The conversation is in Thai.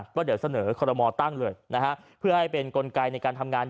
ว่าเดี๋ยวเสนอคอรมอตั้งเลยนะฮะเพื่อให้เป็นกลไกในการทำงาน